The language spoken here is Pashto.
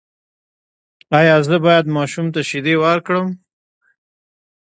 ایا زه باید ماشوم ته شیدې ورکړم؟